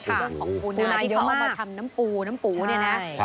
เป็นเรื่องของปูนาที่เขาออกมาทำน้ำปูน้ำปูเนี่ยนะ